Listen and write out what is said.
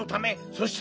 そして。